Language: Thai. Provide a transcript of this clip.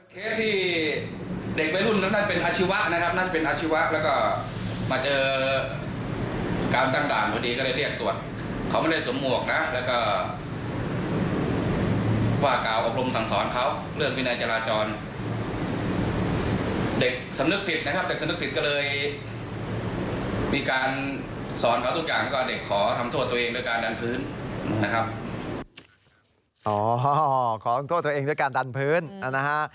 ขอโทษตัวเองด้วยการดันพื้นนะฮะ